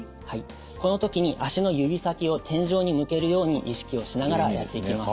この時に足の指先を天井に向けるように意識をしながらやっていきます。